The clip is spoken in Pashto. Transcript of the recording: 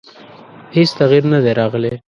هېڅ تغیر نه دی راغلی.